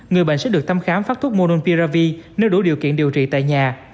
người bệnh sẽ được thăm khám phát thuốc mononpiravir nếu đủ điều kiện điều trị tại nhà